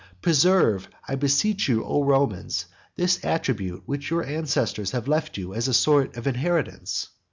Preserve, I beseech you, O Romans, this attribute which your ancestors have left you as a sort of inheritance.